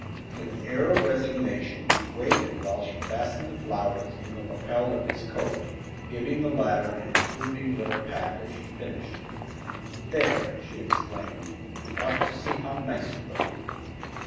With an air of resignation he waited while she fastened the flowers in the lapel of his coat, giving the latter an approving little pat as she finished. "There!" she exclaimed; "you ought to see how nice you look!"